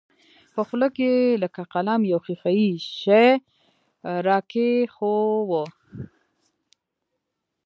په خوله کښې يې لکه قلم يو ښيښه يي شى راکښېښوو.